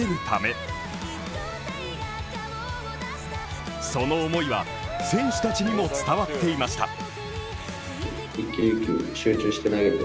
ためその思いは、選手たちにも伝わっていました。